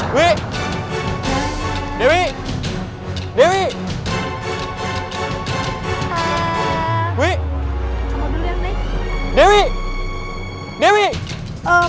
kita bisa menemukan geris sangkala ini